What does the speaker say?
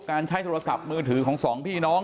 ใช้โทรศัพท์มือถือของสองพี่น้อง